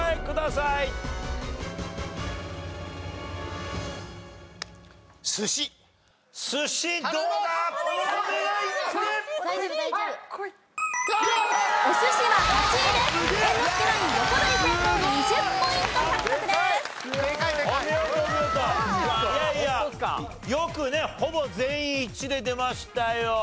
いやいやよくねほぼ全員一致で出ましたよ。